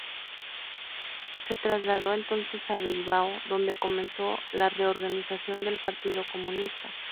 Se trasladó entonces a Bilbao, donde comenzó la reorganización del Partido Comunista.